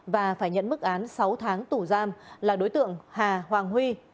và phải nhận mức án sáu tháng tù giam là đối tượng hà hoàng huy